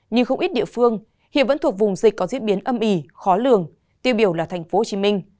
nhưng không ít địa phương hiện vẫn thuộc vùng dịch có diễn biến âm y khó lường tiêu biểu là tp hcm